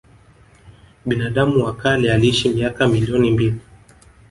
Binadamu wa kale aliishi miaka milioni mbili